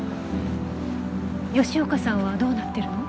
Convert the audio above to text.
吉岡さんはどうなってるの？